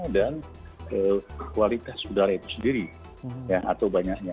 dan kualitas udara itu sendiri atau banyaknya